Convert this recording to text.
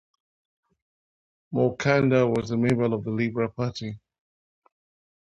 Moncada was a member of the "Liberal Party".